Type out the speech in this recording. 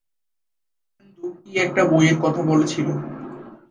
ঐ দিন শীর্ষেন্দুর কী-একটা বইয়ের কথা বলছিল।